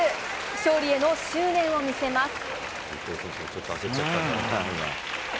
勝利への執念を見せます。